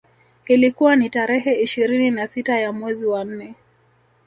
Ilikuwa ni tarehe ishirini na sita ya mwezi wa nne